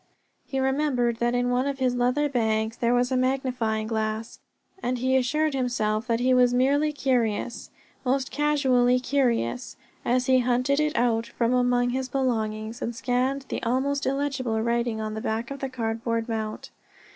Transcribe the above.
He remembered that in one of his leather bags there was a magnifying glass, and he assured himself that he was merely curious most casually curious as he hunted it out from among his belongings and scanned the almost illegible writing on the back of the cardboard mount.